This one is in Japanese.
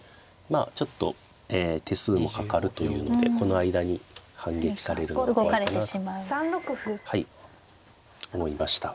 あちょっと手数もかかるというのでこの間に反撃されるのは怖いかなと思いました。